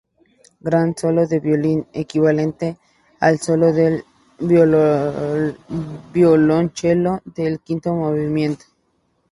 Gran solo de violín, equivalente al solo del violonchelo del quinto movimiento.